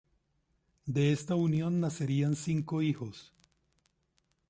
De esta unión nacerían cinco hijos.